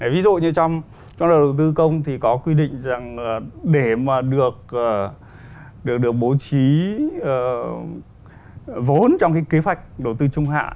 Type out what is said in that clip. ví dụ như trong đầu tư công thì có quy định rằng để mà được bố trí vốn trong cái kế hoạch đầu tư trung hạ